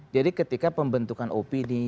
jadi ketika pembentukan opini